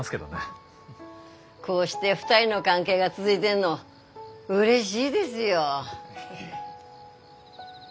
こうして２人の関係が続いでんのうれしいですよ。